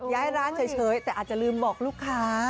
ย้ายร้านเฉยแต่อาจจะลืมบอกลูกค้า